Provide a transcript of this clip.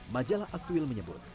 majalah aktuil menyebut